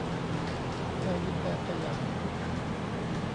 ในดินแดนสยาม